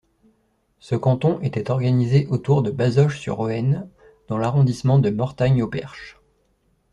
Ce canton était organisé autour de Bazoches-sur-Hoëne dans l'arrondissement de Mortagne-au-Perche.